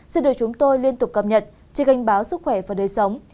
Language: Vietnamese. xin được chúng tôi liên tục cập nhật trên kênh báo sức khỏe và đời sống